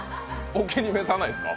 お気に召さないですか？